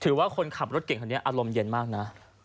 ว่าคนขับรถเก่งคันนี้อารมณ์เย็นมากนะ